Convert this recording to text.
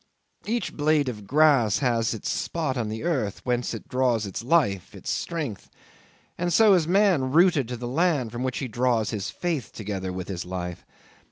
Each blade of grass has its spot on earth whence it draws its life, its strength; and so is man rooted to the land from which he draws his faith together with his life.